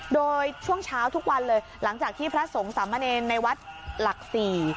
โดยช่วงเช้าทุกวันเลยหลังจากที่พระสงฆ์สามเณรในวัดหลักสี่